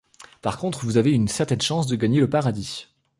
Par contre, vous avez une certaine chance de gagner le paradis.